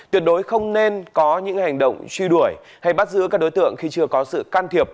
tuyệt đối không nên có những hành động truy đuổi hay bắt giữ các đối tượng khi chưa có sự can thiệp